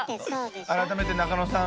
改めて中野さん